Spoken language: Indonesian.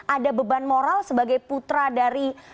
ada beban moral sebagai putra dari